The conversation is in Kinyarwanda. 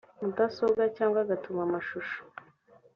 mudasobwa cyangwa agatuma amashusho